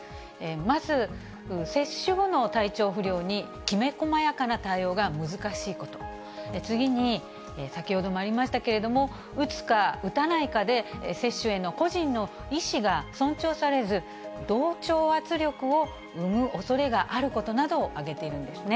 まず、接種後の体調不良にきめこまやかな対応が難しいこと、次に、先ほどもありましたけれども、打つか打たないかで、接種への個人の意思が尊重されず、同調圧力を生むおそれがあることなどを挙げているんですね。